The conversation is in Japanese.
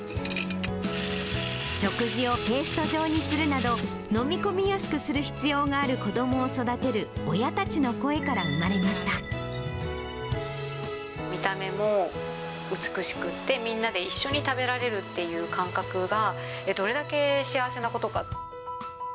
食事をペースト状にするなど、飲み込みやすくする必要がある子どもを育てる親たちの声から生ま見た目も美しくて、みんなで一緒に食べられるっていう感覚が、どれだけ幸せなことか。